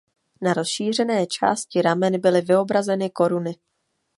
Na rozšířené části ramen byly vyobrazeny koruny.